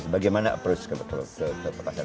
bagaimana approach ke pasar